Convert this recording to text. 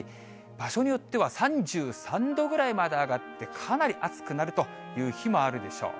場所によっては３３度ぐらいまで上がってかなり暑くなるという日もあるでしょう。